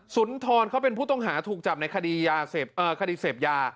สุนทรเขาเป็นผู้ต้องหาถูกจับในคดีเสพยา